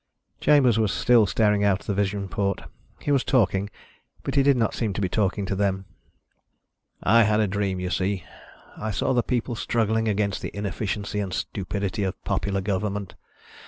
Chambers was still staring out the vision port. He was talking, but he did not seem to be talking to them. "I had a dream, you see. I saw the people struggling against the inefficiency and stupidity of popular government.